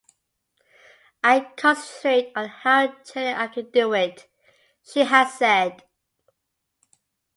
"I concentrate on how gently I can do it," she has said.